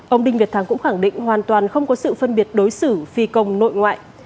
ông đinh việt thắng cũng khẳng định hoàn toàn không có sự phân biệt đối xử phi công nội ngoại